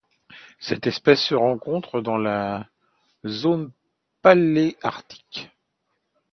Cette espèce se rencontre dans la zone paléarctique.